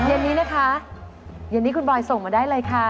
เย็นนี้นะคะเย็นนี้คุณบอยส่งมาได้เลยค่ะ